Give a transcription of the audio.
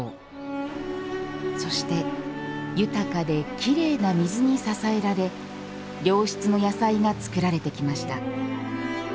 そして豊かで、きれいな水に支えられ良質の野菜が作られてきました。